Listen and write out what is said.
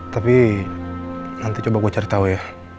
tapi nanti coba gue ceritau ya